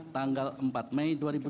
tanggal empat mei dua ribu tujuh belas